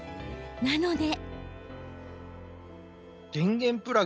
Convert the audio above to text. なので。